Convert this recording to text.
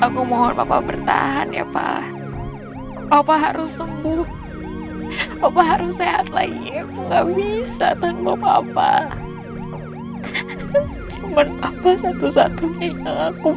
cuma papa satu satunya yang aku gunakan